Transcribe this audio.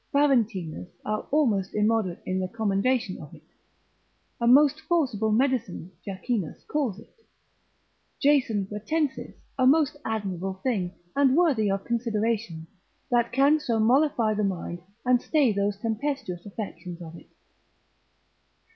Faventinus are almost immoderate in the commendation of it; a most forcible medicine Jacchinus calls it: Jason Pratensis, a most admirable thing, and worthy of consideration, that can so mollify the mind, and stay those tempestuous affections of it.